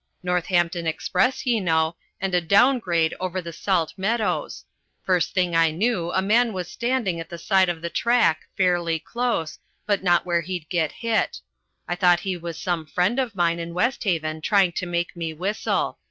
Northampton express, ye know, and a down grade over the salt meadows. First thing I knew a man was standing at the side of the track, fairly close, but not where he'd get hit. I thought he was some friend of mine in West Haven trying to make me whistle.